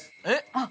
あっ！